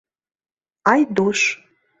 Айдуш.